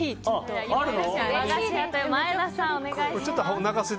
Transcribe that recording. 前田さん、お願いします。